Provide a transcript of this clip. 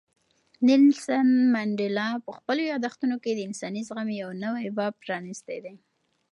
نیلسن منډېلا په خپلو یادښتونو کې د انساني زغم یو نوی باب پرانیستی دی.